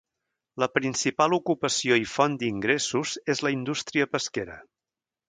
La principal ocupació i font d'ingressos és la indústria pesquera.